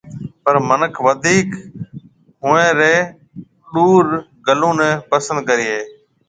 پر مِنک وڌِيڪ هونَي رَي ڏورگلون نَي پسند ڪري هيَ۔